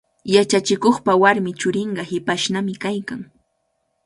Yachachikuqpa warmi churinqa hipashnami kaykan.